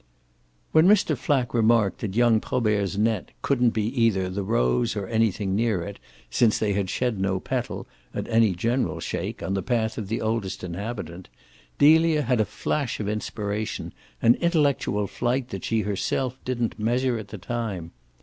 When Mr. Flack remarked that young Probert's net couldn't be either the rose or anything near it, since they had shed no petal, at any general shake, on the path of the oldest inhabitant, Delia had a flash of inspiration, an intellectual flight that she herself didn't measure at the time.